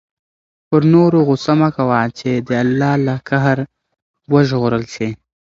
پر نورو غصه مه کوه چې د الله له قهر وژغورل شې.